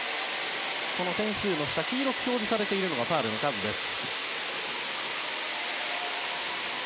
点数の下に黄色く表示されているのがファウルの数です。